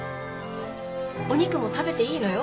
お肉も食べていいのよ。